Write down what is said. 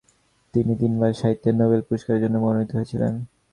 তিনি তিনবার সাহিত্যে নোবেল পুরস্কারের জন্য মনোনীত হয়েছিলেন।